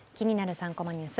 ３コマニュース」